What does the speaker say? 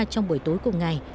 trong buổi tối cùng ngày